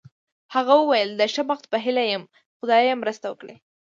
هغه وویل: د ښه بخت په هیله یې یم، خدای یې مرسته وکړي.